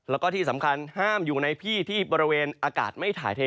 แล้วก็ที่สำคัญห้ามอยู่ในที่ที่บริเวณอากาศไม่ถ่ายเท